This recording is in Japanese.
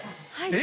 え